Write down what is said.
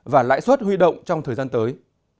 và lãi suất huy động trong thời gian tới